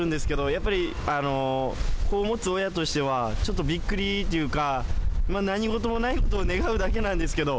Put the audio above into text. やっぱり子を持つ親としてはちょっとびっくりというか何事もないことを願うだけなんですけど。